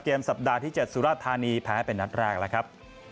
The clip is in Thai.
สัปดาห์ที่๗สุรธานีแพ้เป็นนัดแรกแล้วครับ